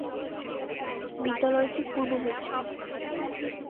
বিদ্যালয়টি পূর্বমুখী।